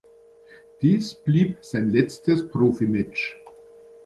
Dies blieb sein letztes Profimatch.